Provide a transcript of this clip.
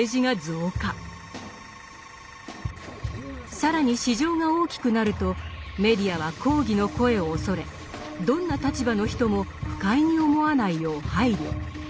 更に市場が大きくなるとメディアは抗議の声を恐れどんな立場の人も不快に思わないよう配慮。